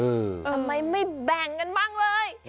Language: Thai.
ทำไมไม่แบ่งกันบ้างเลย